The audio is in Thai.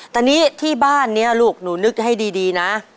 ตอนนี้ที่บ้านนี้ลูกหนูนึกให้ดีนะ